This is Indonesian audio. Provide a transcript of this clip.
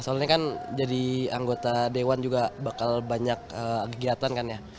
soalnya kan jadi anggota dewan juga bakal banyak kegiatan kan ya